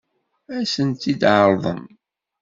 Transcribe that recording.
Ad sent-t-tɛeṛḍem?